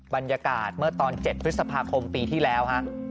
บรรยากาศเมื่อตอน๗พฤษภาคมปีที่แล้วฮะ